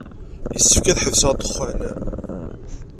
Yessefk ad ḥebseɣ ddexxan.